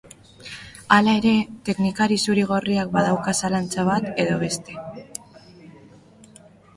Hala ere, teknikari zuri-gorriak badauka zalantza bat edo beste.